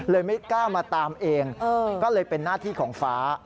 ไม่กล้ามาตามเองก็เลยเป็นหน้าที่ของฟ้า